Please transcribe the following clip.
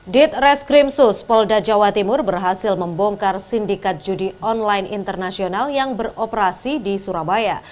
ditreskrimsus polda jawa timur berhasil membongkar sindikat judi online internasional yang beroperasi di surabaya